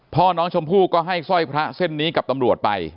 พ่อน้องชมพู่ก็ให้สร้อยพระเส้นนี้กับตำรวจไป